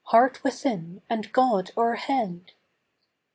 Heart within, and God o'erhead